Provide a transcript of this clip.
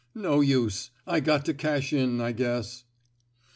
No use. I got to cash in, I guess.''